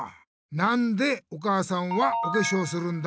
なんでお母さんはおけしょうするんだ？